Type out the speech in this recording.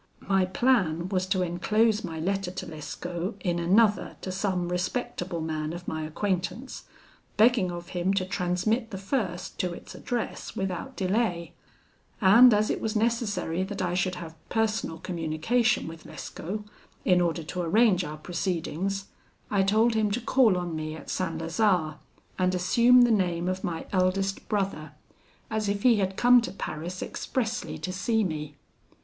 My plan was to enclose my letter to Lescaut in another to some respectable man of my acquaintance, begging of him to transmit the first to its address without delay; and as it was necessary that I should have personal communication with Lescaut, in order to arrange our proceedings, I told him to call on me at St. Lazare, and assume the name of my eldest brother, as if he had come to Paris expressly to see me.